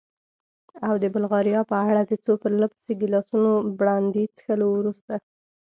او د بلغاریا په اړه؟ د څو پرله پسې ګیلاسو برانډي څښلو وروسته.